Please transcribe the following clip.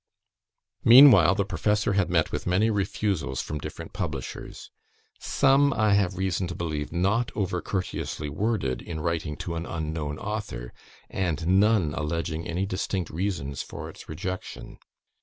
Meanwhile, "The Professor" had met with many refusals from different publishers; some, I have reason to believe, not over courteously worded in writing to an unknown author, and none alleging any distinct reasons for its rejection.